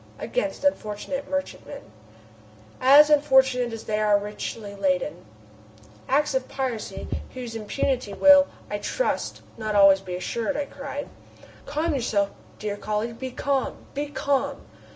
"Against unfortunate merchantmen." "As unfortunate as they are richly laden." "Acts of piracy, whose impunity will, I trust, not always be assured," I cried.. "Calm yourself, dear colleague, be calm! Be calm!